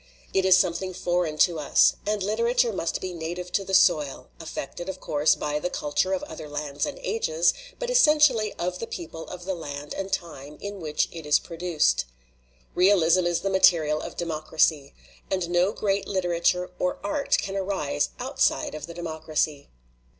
It is something foreign to us. And literature must be native to the soil, affected, of course, by the culture of other lands and ages, but essentially of the people of the land and time in which it is produced. Realism is the material of democracy. And no great literature or art can arise outside of the democracy."